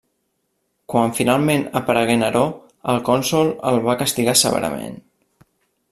Quan finalment aparegué Neró, el consol el va castigar severament.